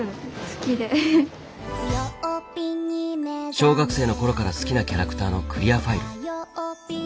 小学生のころから好きなキャラクターのクリアファイル。